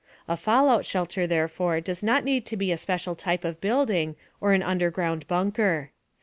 A fallout shelter, therefore, does not need to be a special type of building or an underground bunker.